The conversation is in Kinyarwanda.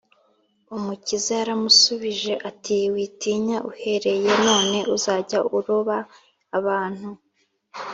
umukiza yaramusubije ati, “witinya, uhereye none uzajya uroba abantu